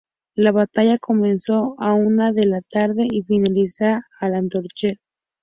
La batalla comenzó a la una de la tarde y finalizaría al anochecer.